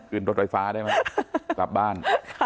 กลับบ้าน